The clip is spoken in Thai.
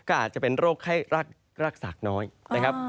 อาจจะเป็นโรคแค่รากสักน้อยนะครับ